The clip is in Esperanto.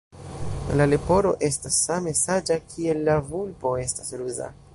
La leporo estas same saĝa kiel la vulpo estas ruza.